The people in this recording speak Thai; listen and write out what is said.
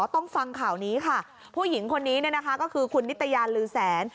ต้องฟังข่าวนี้ค่ะผู้หญิงคนนี้เนี่ยนะคะก็คือคุณนิตยาลือแสน